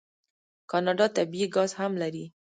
کاناډا طبیعي ګاز هم لري.